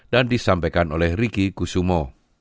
dan disampaikan oleh riki kusumo